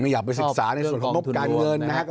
อยากไปศึกษาในส่วนของงบการเงินนะครับ